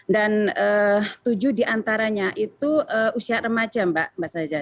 dan tujuh diantaranya itu usia remaja mbak sajak